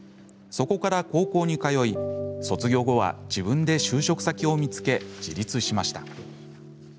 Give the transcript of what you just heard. そこから高校に通い卒業後は自分で就職先を見つけ自立しました。